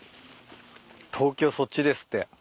東京そっちですって。